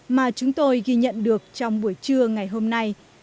mà chúng tôi ghi nhận được trong buổi trưa ngày hôm nay